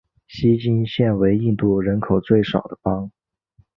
锡金现为印度人口最少的邦。